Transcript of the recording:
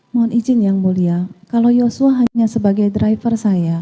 mohon izin yang mulia kalau yosua hanya sebagai driver saya